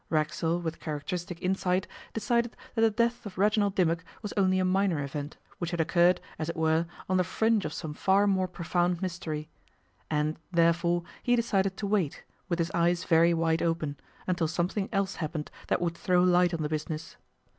Racksole, with characteristic insight, decided that the death of Reginald Dimmock was only a minor event, which had occurred, as it were, on the fringe of some far more profound mystery. And, therefore, he decided to wait, with his eyes very wide open, until something else happened that would throw light on the business.